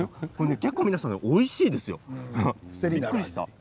結構、皆さんおいしいですよ。